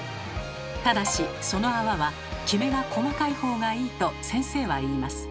ただしその泡はキメが細かいほうがいいと先生は言います。